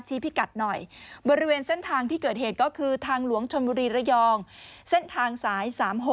พิกัดหน่อยบริเวณเส้นทางที่เกิดเหตุก็คือทางหลวงชนบุรีระยองเส้นทางสาย๓๖